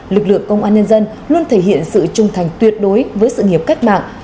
lực lượng công an nhân dân luôn thể hiện sự trung thành tuyệt đối với sự nghiệp cách mạng